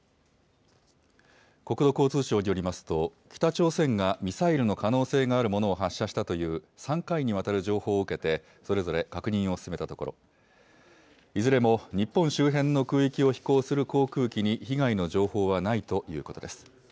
国土交通省によりますと、北朝鮮がミサイルの可能性があるものを発射したという、３回にわたる情報を受けて、それぞれ確認を進めたところ、いずれも日本周辺の空域を飛行する航空機に被害の情報はないということです。